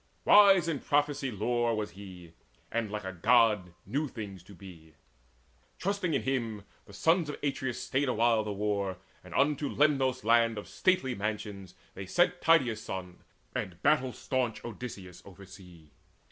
Wise in prophecy lore Was he, and like a God knew things to be. Trusting in him, the sons of Atreus stayed Awhile the war, and unto Lemnos, land Of stately mansions, sent they Tydeus' son And battle staunch Odysseus oversea.